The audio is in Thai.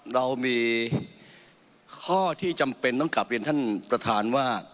เรามีข้อที่จำเป็นต้องกลับเรียนท่านประธานว่า